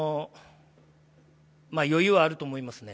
余裕はあると思いますね